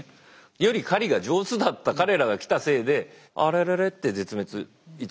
より狩りが上手だった彼らが来たせいであれれれって絶滅いつの間にか追いやられた。